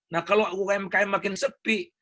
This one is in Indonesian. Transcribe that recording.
nah kalau umkm makin sepi